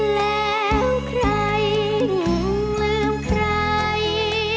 แล้วใครลืมใคร